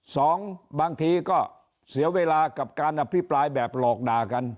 สองบางทีก็เสียเวลากับการอภิปรายแบบหลอกด่ากัน